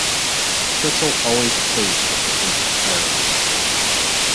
Churchill always opposed partition of Ireland.